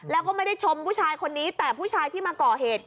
แล้วก็ไม่ได้ชมผู้ชายคนนี้แต่ผู้ชายที่มาก่อเหตุ